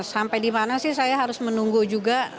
sampai di mana sih saya harus menunggu juga